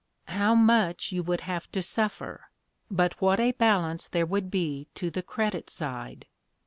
How much you would have to suffer, but what a balance there would be to the credit side!